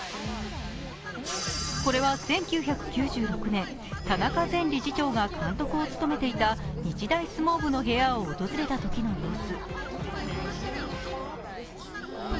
これは１９９６年、田中前理事長が監督を務めていた日大相撲部の部屋を訪れたときの様子。